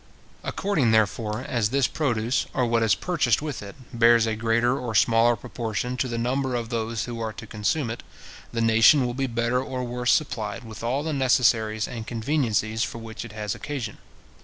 According, therefore, as this produce, or what is purchased with it, bears a greater or smaller proportion to the number of those who are to consume it, the nation will be better or worse supplied with all the necessaries and conveniencies for which it has occasion.